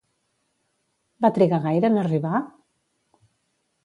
Va trigar gaire en arribar?